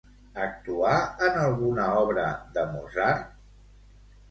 Actuà en alguna obra de Mozart?